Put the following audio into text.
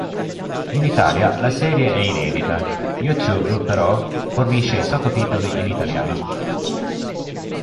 In Italia la serie è inedita, Youtube però fornisce i sottotitoli in italiano.